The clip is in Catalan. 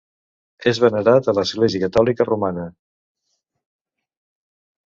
És venerat a l'església catòlica romana.